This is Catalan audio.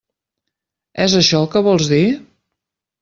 És això el que vols dir?